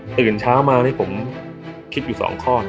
ตื่นเช้ามาแล้วผมคิดอยู่สองข้อ